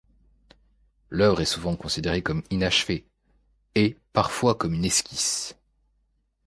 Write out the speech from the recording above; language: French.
L'œuvre est souvent considérée comme inachevée, et parfois comme une esquisse.